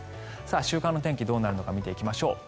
週間の天気どうなるのか見ていきましょう。